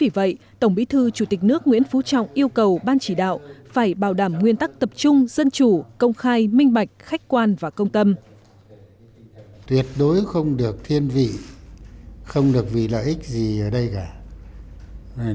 vậy tổng bí thư chủ tịch nước nguyễn phú trọng yêu cầu ban chỉ đạo phải bảo đảm nguyên tắc tập trung dân chủ công khai minh bạch khách quan và công tâm